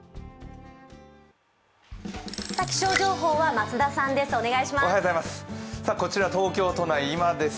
気象情報は増田さんです。